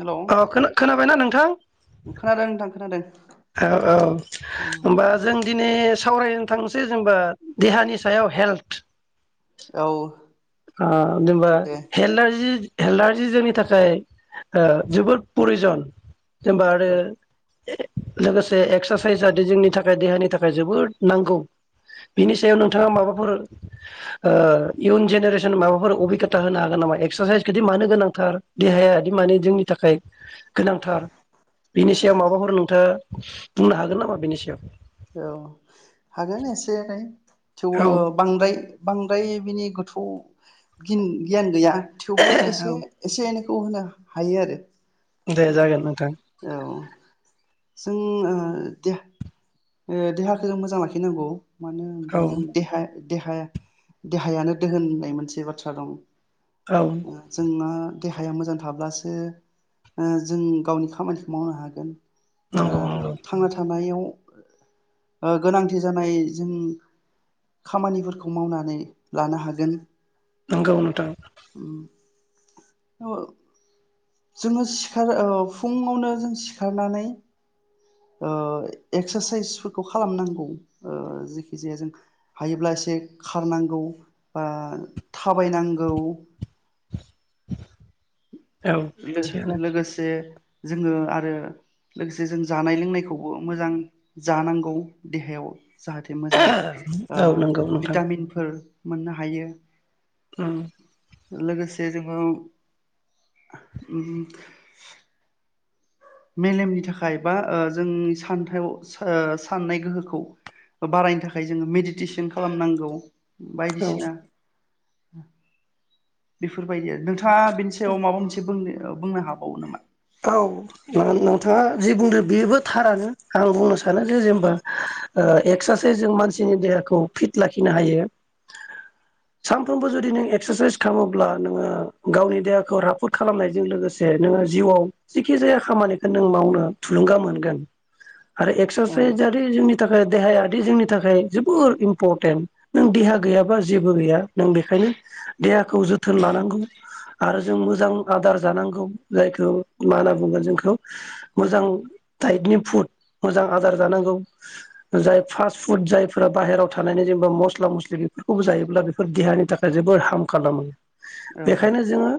हेल' अ खोना खोनाबायना नोंथां खोनादों नोंथां खोनादों। औ औ उम होमबा जों दिनै सावरायनो थांनोसै जेनबा देहानि सायाव हेल्थ औ ओ जेनबा दे हलारजि एलारजि जोंनि थाखाय ओ जोबोद परिजन जेनबा आरो औ लोगोसे एक्सारसाइस जाथे जोंनि थाखाय देहानि थाखाय जोबोद नांगौ बिनि सायाव नोंथाङा माबाफोर ओ इयुन जेनेरेसन माबाफोर अबबिगतथा होनो हागोन नामा एक्सारसाइसखौ मानो गोनांथार देहाया बिदि माने जोंनि थाखाय गोनांथार बिनि सायाव माबाफोर नोंथाङा बुंनो हागोन नामा बेनि सायाव? औ हागोन एसे एनै थेवबो बांद्राय बांद्राय बिनि गोथौ गिन गियान गैया थेवबो औ एसे औ एसे एनै खौ होनो हायो आरो दे जागोन नोंथां औ जों ओ दे ओ देहाखौ जों मोजां लाखिनांगौ मानो औ होनोबा जों देहाया देहा देहायानो दोहोन होननाय मोनसे बाथ्रा दं औ जोंना देहाया मोजां थाब्लासो ओ जों गावनि खामानिखौ मावनो हागोन ओ नंगौ नंगौ थांना थानायाव ओ गोनांथि जानाय जों खामानिफोरखौ मावनानै लानो हागोन नंगौ नोंथां औ जोङो सिखार ओ फुङावनो जों सिखारनानै ओ एक्सारसाइसफोरखौ खालामनांगौ ओ जखि जाया जों हायोब्ला एसे खारनांगौ बा थाबायनांगौ औ लो थिगानो लोगोसे जोङो आरो लोगोसे जों जानाय लोंनायखौबो मोजां जानांगौ देहायाव जाहाथे मोजां ओ औ नंगौ नोंथां भिटामिनफोर मोननो हायो औ लोगोसे जोङो ओम मेलेमनि थाखाय बा ओ जोंनि सानथौ ओ साननाय गोहोखौ बारायनो थाखाय जोङो मेडिटेसन खालामनांगौ बायदिसिना ओम बेफोरबायदिआनो हा बेनि सायाव माबा मोनसे बुंनो बुंनो हाबावो नामा औ नोंथाङा जि बुंदों बेबो थारानो आं बुंनो सानो जे जेनबा एक्सारसाइसजों मानसिनि देहाखौ फिट लाखिनो हायो सानफ्रोमबो जुदि नों एक्सारसाइस खालामोब्ला नोङो गावनि देहाखौ राफोद खालामनायजों लोगोसे नोङो जिउआव जेखि जाया खामानिखौ नों मावनो थुलुंगा मोनगोन आरो औ एक्सारसाइजारि जोंनि थाखाय देहाया बे जोंनि थाखाय जोबोर इम्परटेन्ट नों देहा गैयाबा जेबो गैया नों बेखायनो देहाखौ जोथोन लानांगौ आरो जों मोजां आदार जानांगौ जायखौ मा होनना बुंगोन जोंखौ मोजां टाइटनि फुड मोजां आदार जानांगौ जाय फास्ट फुड जायफोरा बाहेरायाव थानायनि जेनेबा मस्ला मस्लि बेफोरखौबो जायोब्ला बेफोर देहानि थाखाय जोबोर हार्म खालामो औ बेखायनो जोङो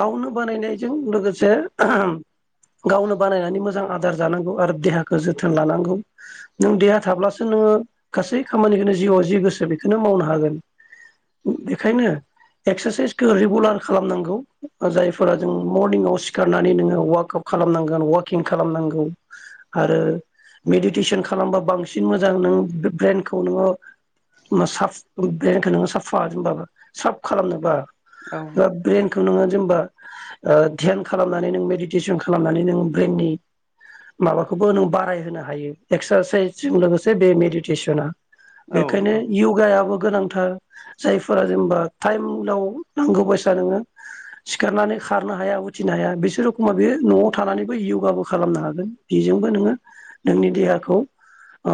गावनो बानायनायजों लोगोसे गावनो बानायनानै मोजां आदार जानांगौ आरो देहाखौ जोथोन लानांगौ नों आहाम गावनो बानायनानै मोजां आदार जानांगौ आरो देहाखौ जोथोन लानांगौ देहा थाब्लासो नोङो गासै खामानिखौनो जिउआव जि गोसो बेखौनो मावनो हागोन बेखायनो एक्सारसाइसखौ रेगुलार खालामनांगौ जायफोरा जों मरनिंआव सि सिखारनानै नोङो ववाकआउट खालामनांगोन अवाकिं खालामनांगौ आरो मेडिटेसन खालामबा बांसिन मोजां नों ब्रेनखौ नोङो साफ ब्रइेन नोङो साफा साफ खालामनोबा औ ब्रेनखौ नोङो जेनबा ओ ध्यान खालामनानै नों मेडिटेसन खालामनानै नों ब्रेननि माबाखौबो नों बारायहोनो हायो एक्सारसाइसजों लोगोसे बे मेडिटेसना बेखायनो औ यगायाबो गोनांथार जायफोरा जेनेबा थाइमाव नांगौ बायसा नोङो सिखारनानै खारनो हाया उथिनो हाया बिसोर रखमा बे न'आव थानानैबो यगाबो खालामनो हागोन बेजोंबो नोङो नोंनि देहाखौ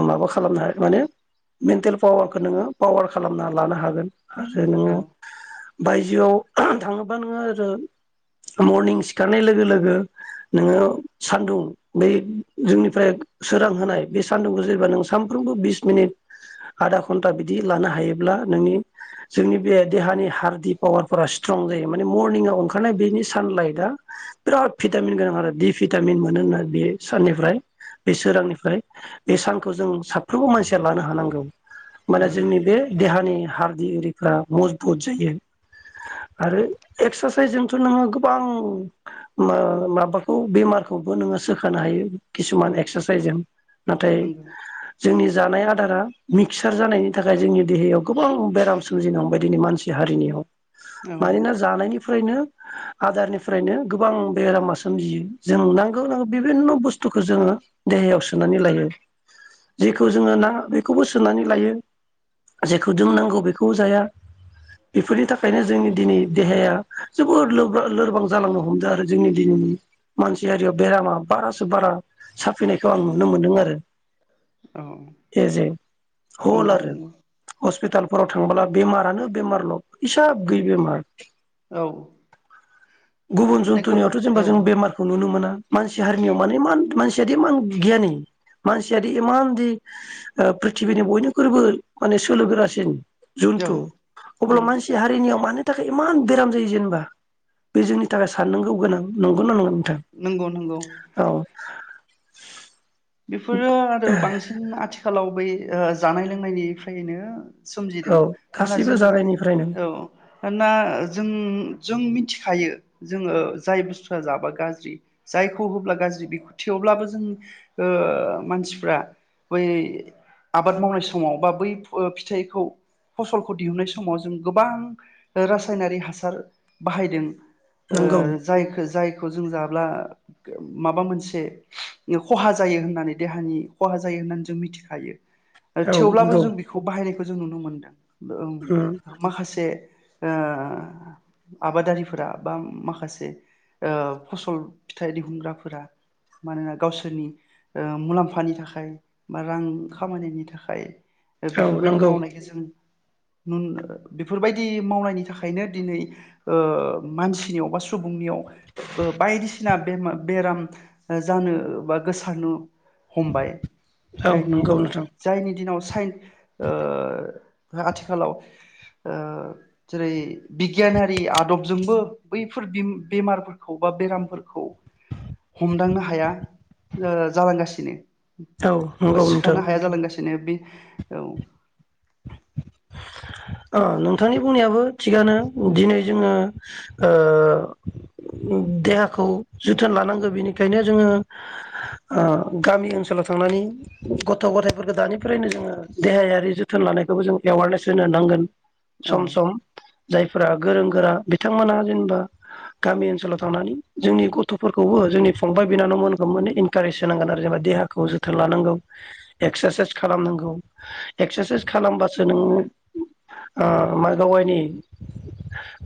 माबा खालामनो हागोन माने मेन्टेल पावारखौ नोङो पावार खालामना लानो हागोन। आरो औ नोङो। बायजोआव थाङोबा नोङो आरो मरनिं सिखारनाय लोगो लोगो नोङो सानदुं बै जोंनिफ्राय सोरां होनाय बे मरनिं सिखारनाय लोगो लोगो नोङो सान्दुं बै जोंनिफ्राय सोरां होनाय बे सानदुंखौ सानफ्रोमबो बिस मिनिट आधा घन्टा बिदि लानो हायोब्ला नोंनि जोंनि बे देहानि हारडथि पावारफोरा स्ट्रं जायो माने मरनिंआव ओंखारनाय बेनि सानलाइटआ बिराद भिटामिन गोनां आरो दि भिटामिन मोनो होना बे साननिफ्राय बे सोरांनिफ्राय बे सानखौ जों साफ्रोमबो मानसिया लानो हानांगौ। औ माने जोंनि बे देहानि हार्ट गि आरिफ्रा मजबुत जायो आरो एक्सारसाइसजोंथ' नोङो गो बां माबाखौ बेमारखौबो नोङो सोखानो हायो खिसुमान एक्सासाइजों नाथाय नंगौ जोंनि जानाय आदारा मिक्सार जानायनि थाखाय जोंनि देहायाव गोबां बेराम सोमजिनो हमबाय दिननै मानसि हारिनियाव। औ मानोना जानायनिफ्रायनो आदारनिफ्रायनो गोबां बेरामा सोमजियो जों नांगौ नांगौ बिभिन्न' बुस्थुखौ जोङो देहायाव सोनानै लायो जेखौ जोङो नाङा बेखौबो सोनानै लायो जेखौ जों नांगौ बेखौबो जाया बेफोरनि थाखायनो जोंनि दिनै देहाया जोबोद लो लोरबां जालांनो हमदों आरो जोंनि दिनैनि मानसियारियाव बेरामा बारासो बारा साफैनायखौ आं नुनो मोनदों आरो। एजे हल नंगौ आरो नंगौ हस्पिटाल फोराव थांबोला बेमारानो बेमारल इसाब गैयि बेमार। औ। गुबुन माने गो जुन्थुनियावथ' औ जेनबा जों बेमारखौ नुनो मोना। मानसि हारिनियाव माने मान मानसियादि इमान बिगियानि मानसियादिइ इमानदि ओ प्रिथिबिनि बयनिख्रुबो माने सोलोगोरासिन औ जुनथु औ अब्ला मानसि हारिनियाव मानो थाखाय इमान बेराम जायो जेनेबा। बे जोंनि थाखाय साननांगौ गोनां नंगौ ना नङा नंगौ नंगौ नोंथां औ। बेफोरो आरो बांसिन आथिखालाव बै ओ जानाय लोंनायनिफ्रायनो औ सोमजिदों मोना गासैबो जों जागायनिफ्रायनो औ मानोना जों जों मिथिखायो जोङो जाय बुस्थुआ जाब्ला गाज्रि जायखौ होब्ला गाज्रि बेखौ थेवब्लाबो जों ओ मानसिफ्रा बै आबाद मावनाय समाव बा बै फिथाइखौ फसलखौ दिहुननाय समाव जों गोबां रासायनारि हासार बाहायदों। ओ नंगौ जायखो जाय खौ जों जाब्ला माबा मोनसे खहा जायो होननानै देहानि खहा जायो होननानै जों मिथिखायो आरो औ थेवब्लाबो नंगौ जों बेखौ बाहायनायखौ जों नुनो मोनदों ओं उम माखासे ओ आबादारिफोरा बा माखासे ओ फसल फिथाइ दिहुनग्राफोरा मानोना गावसोर नि ओ मुलाम्फानि थाखाय बा रां खामायनायनि थाखाय औ बेफोरबायदि नंगौ मावनायखौ जों उम बेफोरबायदि मावनायनि थाखायनो दिनै ओ मानसिनियाव असुं नियाव बायदि सिना बेराम जानो बा गोसारनो हमबाय औ जायनि नंगौ नोंथां जायनि दिनाव फाइन ओ आथिखालाव ओ जेरै बिगियानारि आदबजोंबो बैफोर बेमारफोरखौ बा बेरामफोरखौ हमदांनो हाया ओ जालांगासिनो औ नोंगौ नोंथां बिदिनो बे औ ओ नोंथांनि बुंनायाबो थिगानो दिनै जोङो ओ देहाखौ जोथोन लानांगौ बिनिखायनो जोङो ओ गामि ओनसोलाव थांनानै गथ' गथायफोरखौ दानिफ्रायनो जोङो देहायारि जोथोन थोन लानायखौबो जों एवारनेस होनो नांगोन औ सम सम जाय फोरा गोरों गोरा बिथांमोनहा जेनेबा गामि ओनसोलाव थांनानै जोंनि गथ'फोरखौबो जोंनि फंबाय बिनानावमोनखौ माने इनकारेज होनांगोन आरो जेनेबा देहाखौ जोथोन लानांगौ एक्सारसाइस खालामनांगौ एक्सारसाइस खालामबासो नोङो ओ गावा गावायनि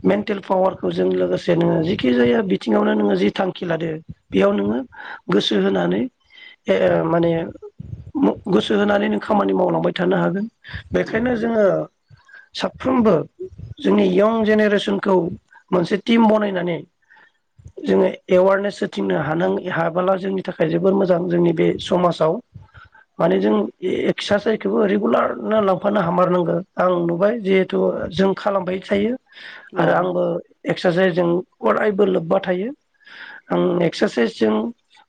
मेन्टेल पावारखौ जों लोगोसे नोङो जिखि जाया बिथिङावनो नोङो जि थांखि लादो बेयाव नोङो गोसो होनानै ए माने गोसो होनानै नों खामानि मावलांबाय थानो हागोन औ बेखायनो जोङो साफ्रोमबो जोंनि यं जेनेरेसनखौ मोनसे टिम बनायनानै जोङो एवारनेस होथिंनो हान हाबोला जोंनि थाखाय जोबोर मोजां जोंनि बे समाजाव माने जों एक्सारसाइसखौबो रेगुलार ओमाना लांफा हामारनांगो आं नुबाय जिहेथु जों खालामबाय थायो। आरो आंबो एक्सारसाइस जों अरायबो लोब्बा थायो आं एक्सारसाइसजों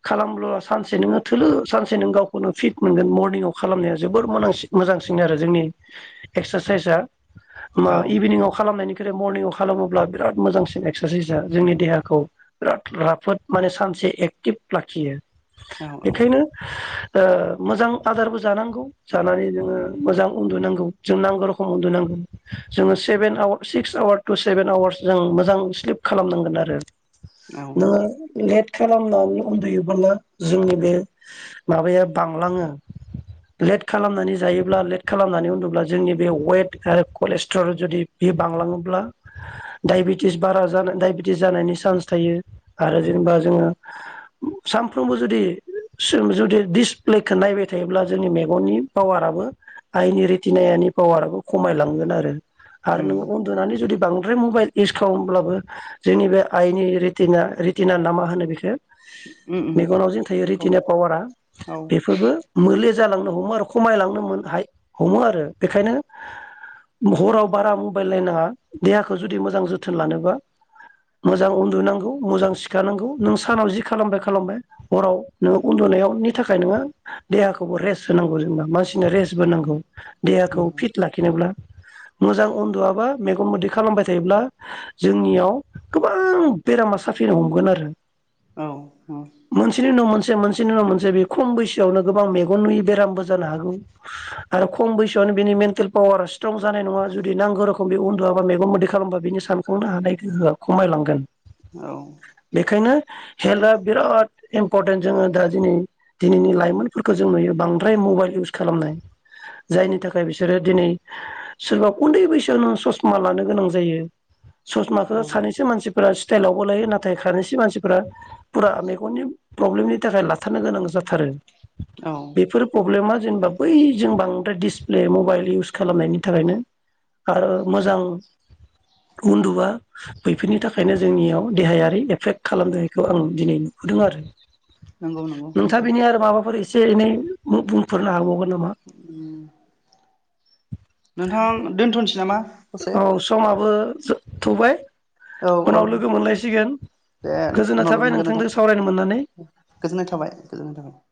खालामब्ला सानसे नोङो थोलोलो सानसे नों गावखौनो फिट मोनगोन मरनिंआव खालामनाया जोबोर मोजांसिन आरो जोंनि एक्सारसाइसआ मा औ इभिनिंआव खालामनायनि बे मर्निंआव खालामोब्ला बिराद मोजांसिन एक्सारसाइजआ जोंनि देहाखौ बिराद राफोद माने सानसे एक्टिभ लाखियो औ औ बेखायनो ओ मोजां आदारबो जानांगौ जानानै नोङो मोजां उन्दुनांगौ जों नांगौ रखोम उन्दुनांगोन जोङो seven hour six hours to seven hours जों मोजां स्लिप खालामनांगोन आरो औ नोङो लेट खालामनानै उन्दुयोबोब्ला जोंनि बे माबाया बांलाङो लेट खालामनानै जायो जेब्ला लेट खालामनानै होनोब्ला जोंनि बे वेट आरो कलेस्ट्रल जुदि बे बांलाङोब्ला यबेटिस बारा ज दाइबेटिस जानायनि सान्स थायो आरो जेनेबा जोङो सानफ्रोमबो जुदि जुदि दिसप्लेखौ नायबाय थायोब्ला जोंनि मेगननि पावाराबो आयनि रित नि पावाराबो खमायलांगोन आरो आरो उम नोङो उन्दुनानै जुदि बां आरो मबाइल इउस खालामब्लाबो जोंनि बे आइनि रितना रिटिना ना मा होनो बेखो उम उम मेगनाव जों थायो नंगौ रिटिना पावारा औ बेफोरबो मोले जालांनो हमो आरो खमायलांनो मोन हमो आरो बेखायनो हराव बारा मबाइल नायनाङा देहाखौ जुदि मोजां जोथोन लानोबा मोजां उन्दुनांगौ मोजां सिखानांगौ नों सानाव जि खालामबाय खालामबाय हराव नोङो उन्दुनायावनि थाखाय नोङो देहाखौबो रेस्ट होनांगौ जेनेबा मानसिनो रेस्ट बो नांगौ। देहाखौ नंगौ फिट लाखिनोब्ला मोजां उन्दुआबा मेगन मोदै खालामबाय थायोब्ला जोंनियाव गोबां बेरामा साफिनो हमगोन आरो औ मोनसेनि उनाव मोनसे से मोनसेनि उनाव मोनसे बे खम बैसोआवनो गोबां मेगन नुयि बेरामबो जानो हागौ आरो खम बैसोआवनो बिनि मेन्टेल पावार स्त्रं जानाय नङा जुदि नांगौ‌ रोखोमनि बे उनन्दुआबा मेगन मोदै खालामबा बिनि सानखांनो हानाय गोहोआ खमायलांगोन। औ। बेखायनो हेल्थआ बिराद इम्परटेन्ट जोङो दा दिनै दिनैनि लाइमोनफोरखौ जों नुयो बांद्राय मबाइल इउस खालामनाय जायनि थाखाय बिसोरो दिनै सोरबा उन्दै बैसोआवनो ससमा लानो गोनां जायो। ससमाखौ सानैसो मानसि स्टाइलावबो लायो नाथाय खारसि मानसिफोरा फुरा मेगननि प्रब्लेमनि थाखाय लाथारनो गोनां जा थारो औ बेफोर प्रब्लेमा जेनेबा बै जों बांद्राय दिडिसप्ले मबाइल इउस खालामनायनि थाखायनो आरो मोजां उन्दुवा बैफोरनि थाखायनो जोंनियाव देहायारि एफेक्ट खालामदोंखौ आं दिनै नुहदों आरो। नंगौ नंगौ नोंथां नोंथाङा बिनि आरो माबाफोर एसे एनै मुं बुं फोरनो हाबावगोन नामा? नोंथां दोन्थ'नोसै नामा? दसे औ समाबो थबाय। औ औ दे गोजोननाय उनाव थाबाय लोगो मोनगोन नोंथां नोंथांजों सावरायनो मोननानै। गोजोननाय थाबाय गोजोननाय थाबाय।